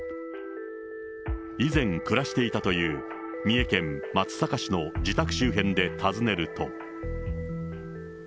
以前、暮らしていたという三重県松阪市の自宅周辺で尋ねると。